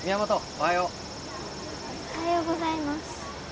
おはようございます